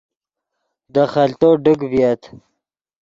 دے خلتو ڈک ڤییت